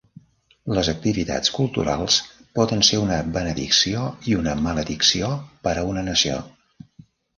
Les activitats culturals poden ser una benedicció i una maledicció per a una nació.